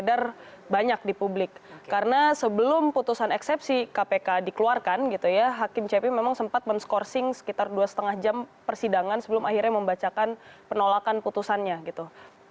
beredar banyak di publik karena sebelum putusan eksepsi kpk dikeluarkan gitu ya hakim cpi memang sempat men scourcing sekitar dua lima jam persidangan sebelum akhirnya membacakan penolakan putusannya gitu